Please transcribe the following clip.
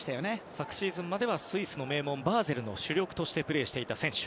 昨シーズンまではスイスの名門バーゼルでプレーしていた選手